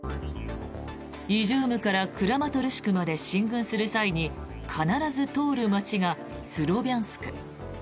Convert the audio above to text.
イジュームからクラマトルシクまで進軍する際に必ず通る街がスロビャンスク。